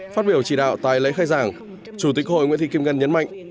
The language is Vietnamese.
phát biểu chỉ đạo tại lễ khai giảng chủ tịch hội nguyễn thị kim ngân nhấn mạnh